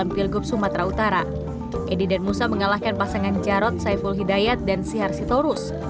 pasangan edi dan musa mengalahkan pasangan jarod saiful hidayat dan sihar sitorus